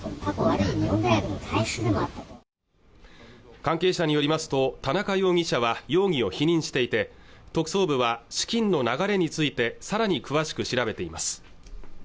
関係者によりますと田中容疑者は容疑を否認していて特捜部は資金の流れについてさらに詳しく調べています